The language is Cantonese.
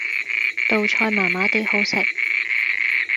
道菜麻麻地好食